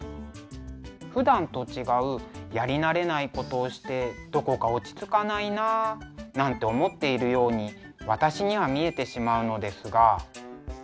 ふだんと違うやり慣れないことをして「どこか落ち着かないな」なんて思っているように私には見えてしまうのですが。